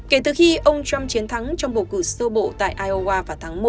kể từ khi ông trump chiến thắng trong bầu cử sơ bộ tại iowa vào tháng một